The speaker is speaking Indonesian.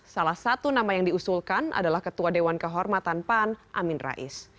salah satu nama yang diusulkan adalah ketua dewan kehormatan pan amin rais